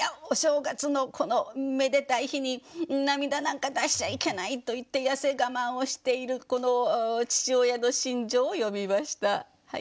お正月のこのめでたい日に涙なんか出しちゃいけない」と言って痩せがまんをしている父親の心情を詠みました。